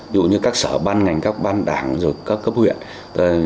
ví dụ như các sở ban ngành các ban đảng rồi các cấp huyện